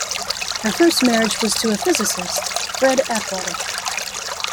Her first marriage was to a physicist, Fred Atwater.